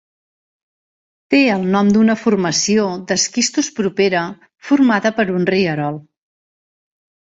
Té el nom d'una formació d'esquistos propera formada per un rierol.